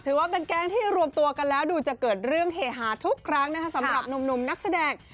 ว่าแก๊งที่รวมตัวกันแล้วดูจะเกิดเรื่องเฮฮาทุกครั้งนะคะสำหรับหนุ่มนักแสดง